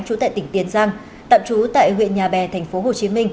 trú tại tỉnh tiền giang tạm trú tại huyện nhà bè tp hcm